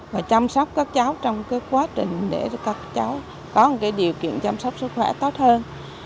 và chăm sóc các cháu trong quá trình để các cháu có điều kiện chăm sóc sức khỏe tốt hơn